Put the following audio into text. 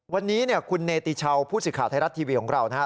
วันนี้เนคุณเนติเชาผู้สิทธิ์ข่าวไทยรัฐทีวีของเรานะฮะ